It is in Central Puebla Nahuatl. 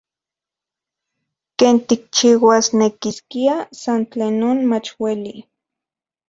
Ken tikchiuasnekiskia san tlen non mach ueli.